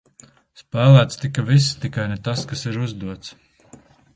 Spēlēts tika viss, tikai ne tas, kas ir uzdots.